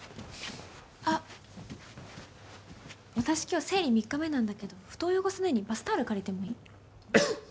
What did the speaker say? あっ、私今日、生理３日目なんだけど布団、汚さないようにバスタオル借りてもいい？